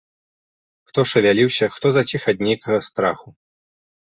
Хто шавяліўся, хто заціх ад нейкага страху.